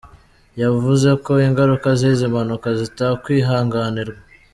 Yavuze ko ingaruka z’izi mpanuka zitakwihanganirwa.